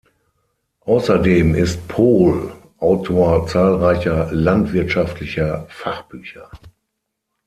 Außerdem ist Pohl Autor zahlreicher landwirtschaftlicher Fachbücher.